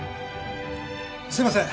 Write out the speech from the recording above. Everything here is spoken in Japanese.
すいません